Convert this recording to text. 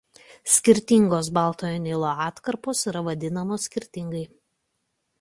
Skirtingos Baltojo Nilo atkarpos yra vadinamos skirtingai.